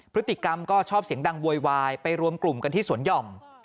พฤติกรรมก็ชอบเสียงดังโวยวายไปรวมกลุ่มกันที่สวนหย่อม